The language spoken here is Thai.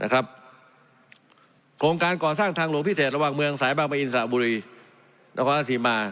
โครงการก่อสร้างทางหลวงพิเศษระหว่างเมืองสายบางประอินสระบุรีนครราชสีมา